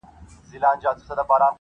• که د کلماتو له پلوه ورته وکتل سي -